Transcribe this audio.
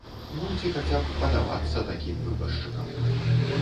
Ну, ці хаця б падавацца такім выбаршчыкам.